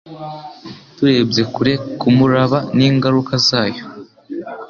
turebye kure kumuraba n'ingaruka zayo